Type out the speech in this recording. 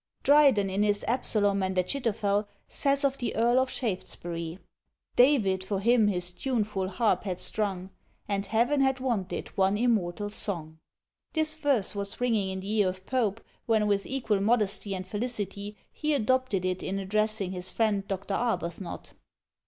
Dryden, in his "Absalom and Achitophel," says of the Earl of Shaftesbury, David for him his tuneful harp had strung, And Heaven had wanted one immortal song. This verse was ringing in the ear of Pope, when with equal modesty and felicity he adopted it in addressing his friend Dr. Arbuthnot.